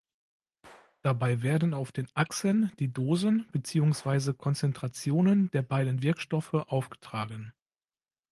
Dabei werden auf den Achsen die Dosen beziehungsweise Konzentrationen der beiden Wirkstoffe aufgetragen.